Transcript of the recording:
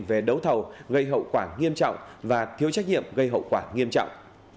về đấu thầu gây hậu quả nghiêm trọng và thiếu trách nhiệm gây hậu quả nghiêm trọng